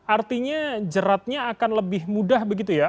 artinya jeratnya akan lebih mudah begitu ya